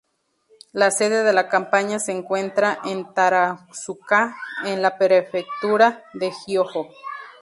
La sede de la compañía se encuentra en Takarazuka, en la prefectura de Hyōgo.